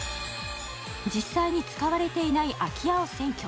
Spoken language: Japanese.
実際に使われていない空き家を占拠。